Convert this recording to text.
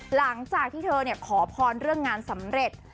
หลังจากที่เธอขอพรเรื่องงานสำเร็จ